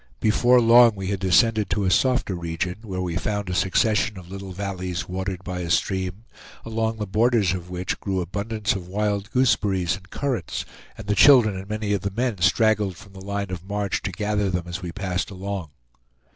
Before long we had descended to a softer region, where we found a succession of little valleys watered by a stream, along the borders of which grew abundance of wild gooseberries and currants, and the children and many of the men straggled from the line of march to gather them as we passed along.